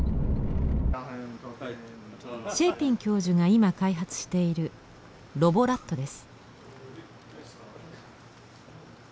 シェーピン教授が今開発しているロボラットです。